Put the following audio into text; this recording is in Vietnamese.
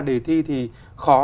đề thi thì khó